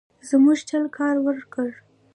زموږ چل کار ورکړ.